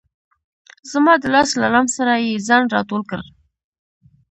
زما د لاس له لمس سره یې ځان را ټول کړ.